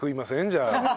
じゃあ。